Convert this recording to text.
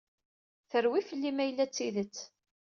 Terwi fell-i ma yella d tidet.